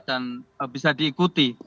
dan bisa diikuti